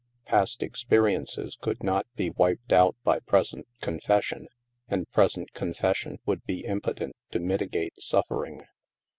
Past experiences could not be wiped out by present confession; and present con fession would be impotent to mitigate suffering.